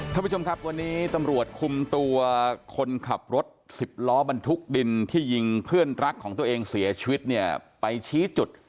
ท่านผู้ชมครับวันนี้ตำรวจคุมตัวคนขับรถสิบล้อบรรทุกดินที่ยิงเพื่อนรักของตัวเองเสียชีวิตเนี่ยไปชี้จุด